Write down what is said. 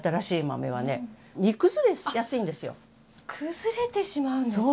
崩れてしまうんですか。